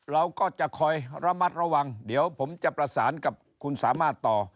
เราก็จะคอยระมัดระวังเดี๋ยวผมจะประสานกับคุณสามารถต่อ